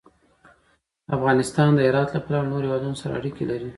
افغانستان د هرات له پلوه له نورو هېوادونو سره اړیکې لري.